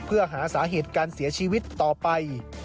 เพื่อหาสาเหตุการเสียชีวิตต่อไป